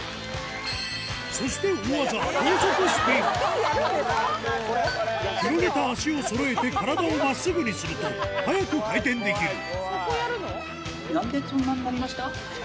そして大技広げた足をそろえて体を真っすぐにすると速く回転できるここやるの？